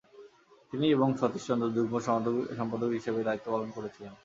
তিনি এবং সতীশচন্দ্র যুগ্ম সম্পাদক হিসাবে দায়িত্বপালন করেছিলেন।